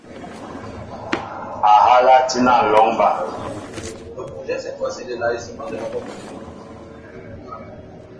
Ahala tína a lɔŋ baá.